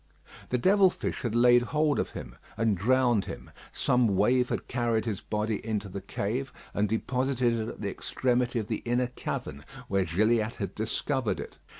The devil fish had laid hold of him, and drowned him. Some wave had carried his body into the cave, and deposited it at the extremity of the inner cavern, where Gilliatt had discovered it.